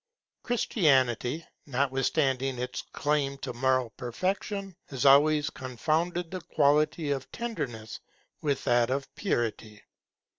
Christianity, notwithstanding its claims to moral perfection, has always confounded the quality of tenderness with that of purity.